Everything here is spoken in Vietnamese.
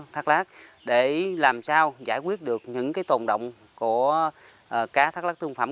thác lát để làm sao giải quyết được những tồn động của cá thác lát thương phẩm